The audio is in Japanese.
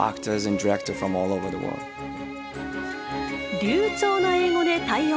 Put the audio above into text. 流ちょうな英語で対応。